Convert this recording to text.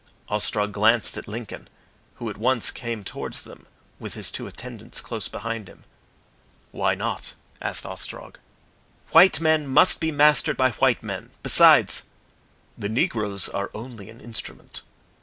Ostrog glanced at Lincoln, who at once came towards them with his two attendants close behind him. "Why not?" asked Ostrog. "White men must be mastered by white men. Besides " "The negroes are only an instrument."